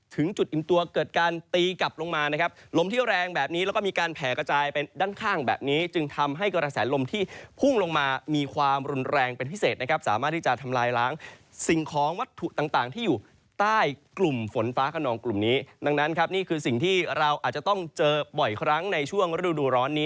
ถึงจุดอิ่มตัวเกิดการตีกลับลงมานะครับลมที่แรงแบบนี้แล้วก็มีการแผ่กระจายไปด้านข้างแบบนี้จึงทำให้กระแสลมที่พุ่งลงมามีความรุนแรงเป็นพิเศษนะครับสามารถที่จะทำลายล้างสิ่งของวัตถุต่างที่อยู่ใต้กลุ่มฝนฟ้าขนองกลุ่มนี้ดังนั้นครับนี่คือสิ่งที่เราอาจจะต้องเจอบ่อยครั้งในช่วงฤดูร้อนนี้